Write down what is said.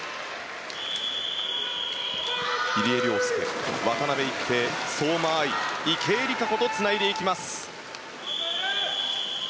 入江陵介、渡辺一平相馬あい、池江璃花子とつないでいきます。